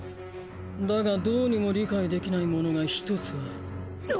だがどうにも理解できないものが１つある。